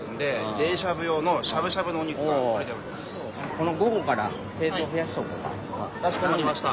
今はかしこまりました！